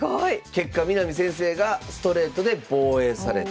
結果南先生がストレートで防衛された。